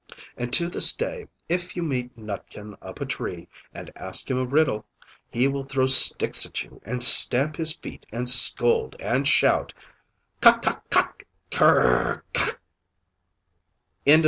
And to this day, if you meet Nutkin up a tree and ask him a riddle, he will throw sticks at you, and stamp his feet and scold, and shout "Cuck cuck cuck cur r r cuck k!"